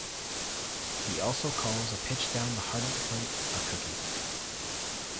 He also calls a pitch down the heart of the plate a "cookie".